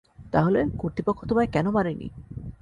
তাহলে, কর্তৃপক্ষ তোমায় কেন মারেনি?